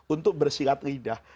untuk bersilat lidah